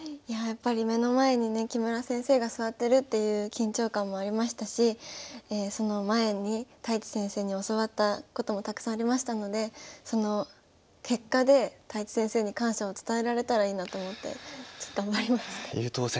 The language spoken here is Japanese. やっぱり目の前にね木村先生が座ってるっていう緊張感もありましたしその前に太地先生に教わったこともたくさんありましたのでその結果で太地先生に感謝を伝えられたらいいなと思って頑張りました。